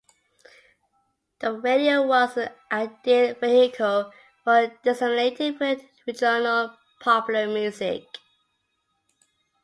The radio was an ideal vehicle for disseminating regional popular music.